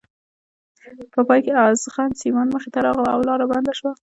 په پای کې ازغن سیمان مخې ته راغله او لاره بنده شوه.